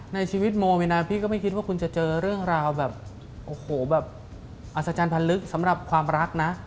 ในชีวิตโมนี่นะพี่ก็ไม่คิดว่าคุณจะเจอเรื่องราวแบบโอ้โหแบบอัศจรรย์พันลึกสำหรับความรักนะ